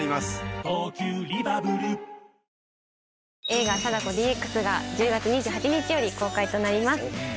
映画『貞子ＤＸ』が１０月２８日より公開となります。